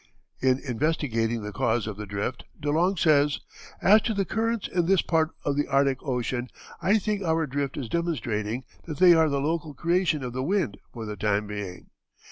In investigating the cause of the drift, De Long says: "As to the currents in this part of the Arctic Ocean, I think our drift is demonstrating that they are the local creation of the wind for the time being.